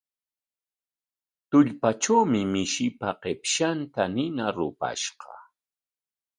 Tullpatrawmi mishipa qipshanta nina rupashqa.